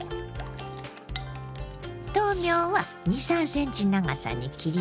豆苗は２３ｃｍ長さに切ります。